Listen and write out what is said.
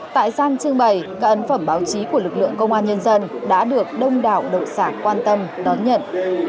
tại gian trưng bày các ấn phẩm báo chí của lực lượng công an nhân dân đã được đông đảo độc giả quan tâm đón nhận